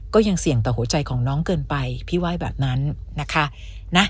ก็ยังเสี่ยงต่อหัวใจของน้องเกินไปพี่ว่าแบบนั้นนะคะ